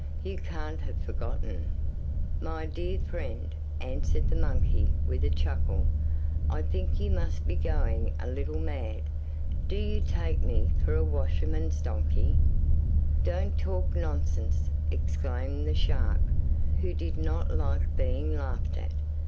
You CAN'T have forgotten!' 'My dear friend,' answered the monkey, with a chuckle, 'I think you must be going a little mad. Do you take me for a washerman's donkey?' 'Don't talk nonsense,' exclaimed the shark, who did not like being laughed at.